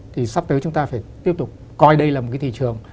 thì sắp tới chúng ta phải tiếp tục coi đây là một cái thị trường